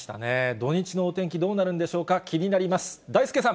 土日のお天気、どうなるんでしょうか、気になります。